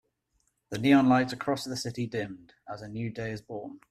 The neon lights across the city dimmed as a new day is born.